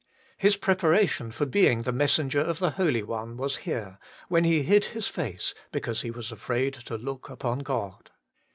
His preparation for beiDg the messenger of the Holy One was here, where he hid his face, because he was afraid to look upon God.